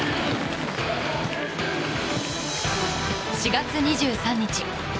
４月２３日。